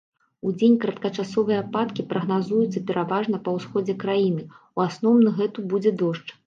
Удзень кароткачасовыя ападкі прагназуюцца пераважна па ўсходзе краіны, у асноўным гэту будзе дождж.